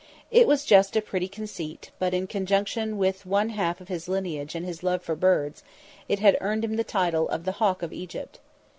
It was just a pretty conceit, but in conjunction with one half of his lineage and his love for his birds, it had earned him the title of "The Hawk of Egypt."